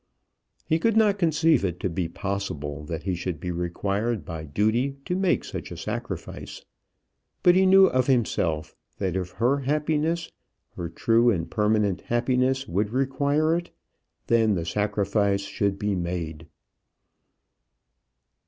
He could not conceive it to be possible that he should be required by duty to make such a sacrifice; but he knew of himself that if her happiness, her true and permanent happiness, would require it, then the sacrifice should be made.